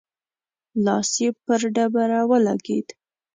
لاس يې پر ډبره ولګېد.